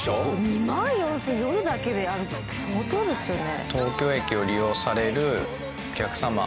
２万４０００夜だけで歩くって相当ですよね。